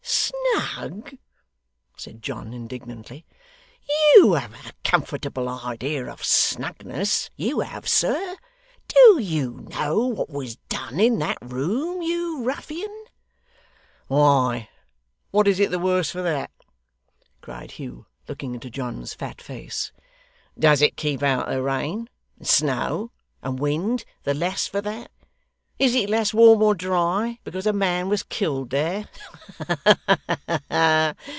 'Snug!' said John indignantly. 'You have a comfortable idea of snugness, you have, sir. Do you know what was done in that room, you ruffian?' 'Why, what is it the worse for that!' cried Hugh, looking into John's fat face. 'Does it keep out the rain, and snow, and wind, the less for that? Is it less warm or dry, because a man was killed there? Ha, ha, ha!